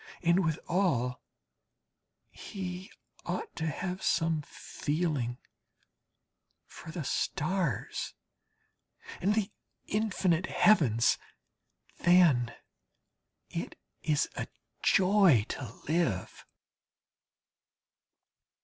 And withal he ought to have some feeling for the stars and the infinite heavens. Then it is a joy to live!